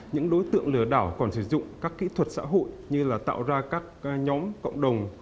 những đối tượng lừa đảo còn sử dụng các kỹ thuật xã hội như là tạo ra các nhóm cộng đồng